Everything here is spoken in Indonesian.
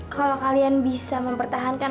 kalau kalian bisa mempertahankan